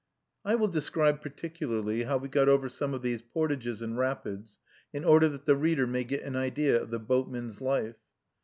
I will describe particularly how we got over some of these portages and rapids, in order that the reader may get an idea of the boatman's life.